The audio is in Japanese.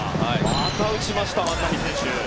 また打ちました万波選手。